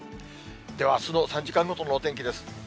では、あすの３時間ごとのお天気です。